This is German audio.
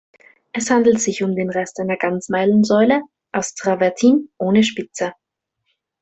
Es handelt sich um den Rest einer Ganzmeilensäule aus Travertin ohne Spitze.